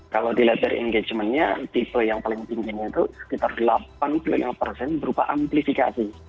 kalau di letter engagement nya tipe yang paling tingginya itu sekitar delapan puluh lima persen berupa amplifikasi